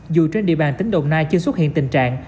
dù trên địa bàn tỉnh đồng nai chưa xuất hiện tình trạng